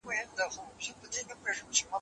زه اوس د سبا لپاره د تمرينونو بشپړوم